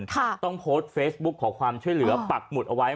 ต้องโพสต์เฟซบุ๊คขอความช่วยเหลือปักหมุดเอาไว้